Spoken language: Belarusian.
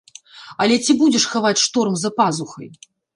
Але ці будзеш хаваць шторм за пазухай?